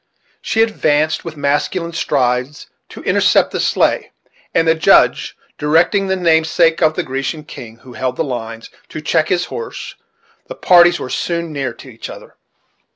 She advanced with masculine strides to intercept the sleigh; and the Judge, directing the namesake of the Grecian king, who held the lines, to check his horse, the parties were soon near to each other.